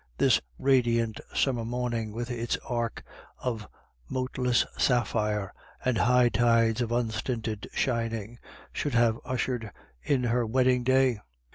This radiant summer morning, with its arch of moteless sapphire and high tides of unstinted shining, should have ushered in her wedding day.